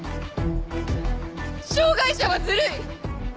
障がい者はずるい！